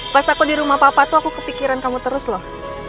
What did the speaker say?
pas aku di rumah papa tuh aku kepikiran kamu terus loh